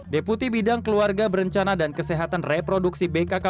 deputi bidang keluarga berencana dan kesehatan reproduksi bkk